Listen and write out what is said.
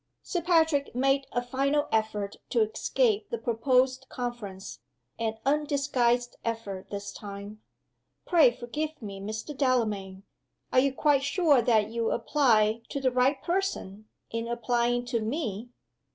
Sir Patrick made a final effort to escape the proposed conference an undisguised effort, this time. "Pray forgive me, Mr. Delamayn. Are you quite sure that you apply to the right person, in applying to _me?